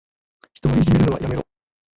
人をいじめるのはやめろ。